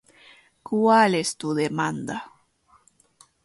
¿Cuál es tu demanda?